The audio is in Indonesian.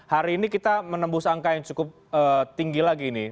hari ini kita menembus angka yang cukup tinggi lagi ini